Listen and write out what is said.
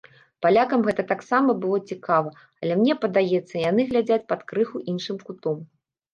Палякам гэта таксама было цікава, але мне падаецца, яны глядзяць пад крыху іншым кутом.